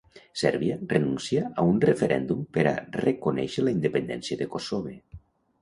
Sèrbia renuncia a un referèndum per a reconèixer la independència de Kossove.